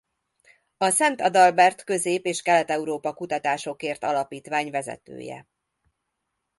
A Szent Adalbert Közép- és Kelet-Európa Kutatásokért Alapítvány vezetője.